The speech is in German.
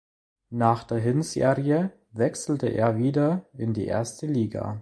Nach der Hinserie wechselte er wieder in die erste Liga.